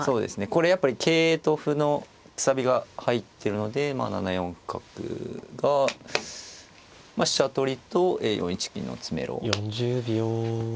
これやっぱり桂と歩のくさびが入ってるのでまあ７四角が飛車取りと４一金の詰めろですね。